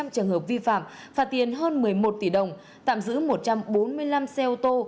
bảy trăm linh trường hợp vi phạm phạt tiền hơn một mươi một tỷ đồng tạm giữ một trăm bốn mươi năm xe ô tô